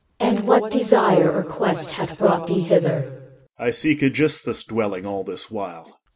CH. And what desire or quest hath brought thee hither? OR. I seek Aegisthus' dwelling all this while.